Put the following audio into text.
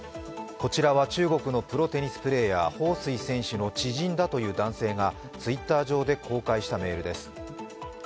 こちらは中国のプロテニスプレーヤー、彭帥選手の知人だという男性がＴｗｉｔｔｅｒ上で公開したメールです。